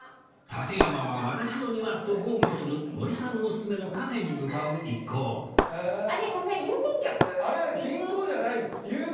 館山は私の庭と豪語する森さんおすすめのカフェに向かう一行ねえごめん郵便局？